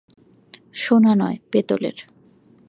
সোনা নয়, পেতলের।